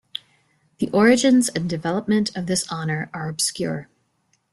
The origins and development of this honour are obscure.